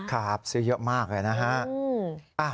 ครับซื้อเยอะมากเลยนะฮะ